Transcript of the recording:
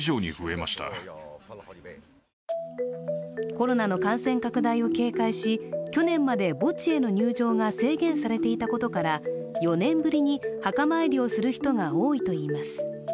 コロナの感染拡大を警戒し去年まで墓地への入場が制限されていたことから、４年ぶりに墓参りをする人が多いといいます。